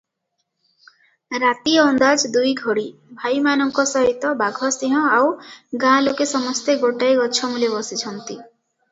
ରାତି ଅନ୍ଦାଜ ଦୁଇଘଡ଼ି, ଭାଇମାନଙ୍କ ସହିତ ବାଘସିଂହ ଆଉ ଗାଁଲୋକେ ସମସ୍ତେ ଗୋଟାଏ ଗଛମୂଳେ ବସିଛନ୍ତି ।